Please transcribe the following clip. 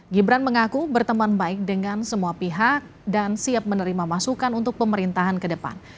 gibran mengaku berteman baik dengan semua pihak dan siap menerima masukan untuk pemerintahan ke depan